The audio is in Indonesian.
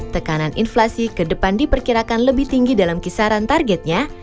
tekanan inflasi ke depan diperkirakan lebih tinggi dalam kisaran targetnya